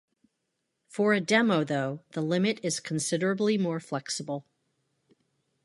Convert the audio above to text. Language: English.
For a demo, though, the limit is considerably more flexible.